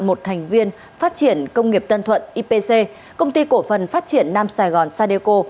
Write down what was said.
một thành viên phát triển công nghiệp tân thuận ipc công ty cổ phần phát triển nam sài gòn sadeco